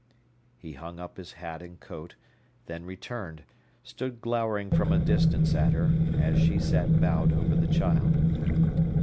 He hung up his hat and coat, then returned, stood glowering from a distance at her, as she sat bowed over the child.